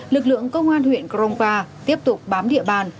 lực lượng công an huyện krongpa tiếp tục bám địa bàn